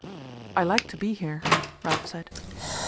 "I like to be here," Ralph said.